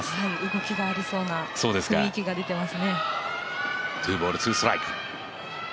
動きがありそうな雰囲気出てますね。